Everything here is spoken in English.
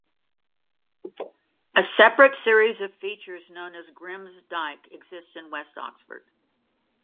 A separate series of features known as Grim's Dyke exists in West Oxford.